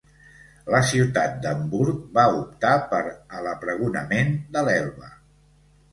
La ciutat d'Hamburg, va optar per a l'apregonament de l'Elba.